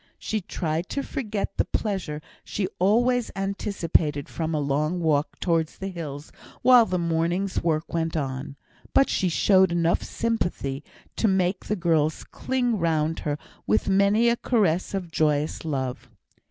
She tried to forget the pleasure she always anticipated from a long walk towards the hills, while the morning's work went on; but she showed enough of sympathy to make the girls cling round her with many a caress of joyous love.